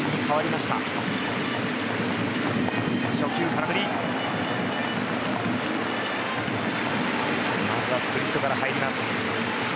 まずはスプリットから入りました。